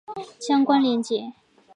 相关连结